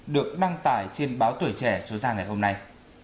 được đăng tải trên báo tuổi trẻ số ra ngày hôm nay